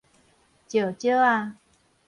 石灼仔